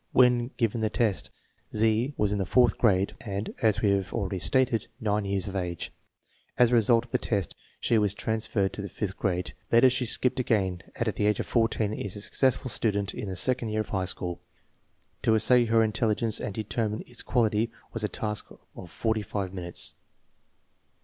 When given the test, Z was in the fourth grade and, as we have already stated, 9 years of age. As a result of the test she was transferred to the fifth grade. Later she skipped again and at the age of 14 is a successful student in the second year of high school. To assay her intelligence and deter mine its quality was a task of forty five minutes.